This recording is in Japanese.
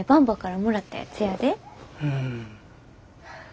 うん。